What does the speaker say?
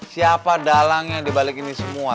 siapa dalangnya dibalik ini semua